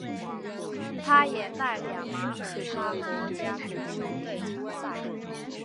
他也代表马耳他国家足球队参赛。